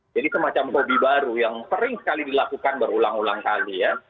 jadi semacam hobi baru yang sering sekali dilakukan berulang ulang kali ya